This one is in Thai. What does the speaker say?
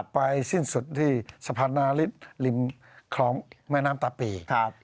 สิ้นสุดที่สะพานนาริสริมคลองแม่น้ำตาปี